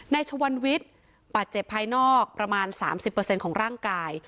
ชวันวิทย์บาดเจ็บภายนอกประมาณ๓๐ของร่างกาย